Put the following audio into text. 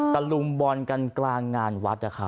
ตะลุมบอลกันกลางงานวัดนะครับ